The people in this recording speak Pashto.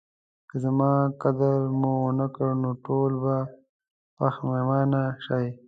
که زما قدر مو ونکړ نو ټول به پخیمانه شئ